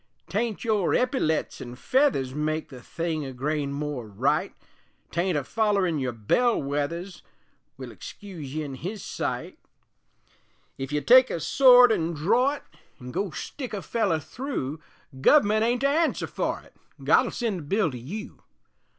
'Tain't your eppyletts an' feathers Make the thing a grain more right; 'Tain't a follerin' your bell wethers Will excuse ye in His sight; Ef you take a sword an' dror it, An' go stick a feller thru, Guv'ment ain't to answer for it, God'll send the bill to you.